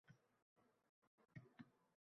Nega hadeb to’qillatadi? Jonga tegdi-ku?